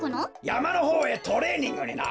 やまのほうへトレーニングにな。